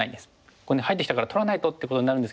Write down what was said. ここに入ってきたから取らないとってことになるんですけど